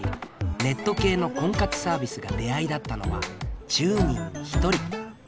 ネット系の婚活サービスが出会いだったのは１０人に１人。